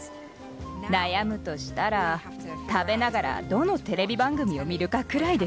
悩むとしたら食べながらどのテレビ番組を見るかくらいです。